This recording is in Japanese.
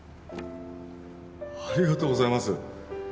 ありがとうございます